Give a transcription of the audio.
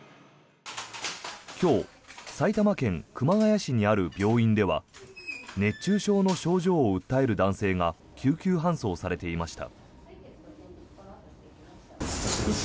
今日、埼玉県熊谷市にある病院では熱中症の症状を訴える男性が救急搬送されていました。